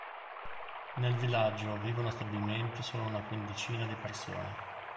Nel villaggio vivono stabilmente solo una quindicina di persone.